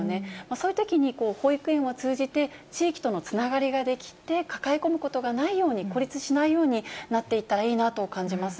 そういうときに、保育園を通じて地域とのつながりが出来て、抱え込むことがないように、孤立しないようになっていったらいいなと感じます。